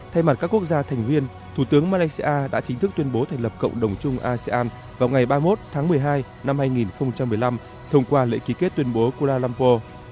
thay mặt các quốc gia thành viên thủ tướng malaysia đã chính thức tuyên bố thành lập cộng đồng chung asean vào ngày ba mươi một tháng một mươi hai năm hai nghìn một mươi năm thông qua lễ ký kết tuyên bố kuala lumpo